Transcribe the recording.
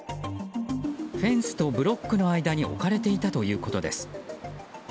フェンスとブロックの間に置かれていたということです。